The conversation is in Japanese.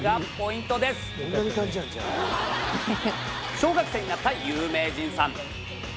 小学生になった有名人さん。